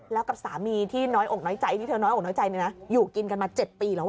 แล้วกับสามีที่น้อยอกน้อยใจที่เธอน้อยอกน้อยใจอยู่กินกันมา๗ปีแล้ว